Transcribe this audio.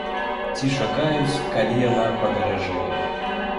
Ці чакаюць, калі яна падаражэе.